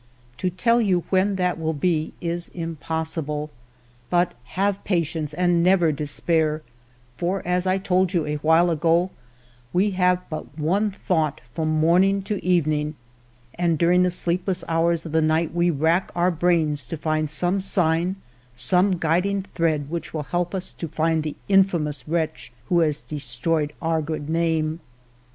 To tell you when that will be is impossible, but have patience and never despair, for, as I told you a while ago, we have but one thought from morning to even ing, and during the sleepless hours of the night we rack our brains to find some sign, some guid ALFRED DREYFUS 63 ing thread which will help us to find the infamous wretch who has destroyed our good name.